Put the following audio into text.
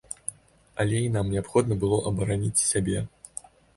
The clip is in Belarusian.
Але ім неабходна было абараніць сябе.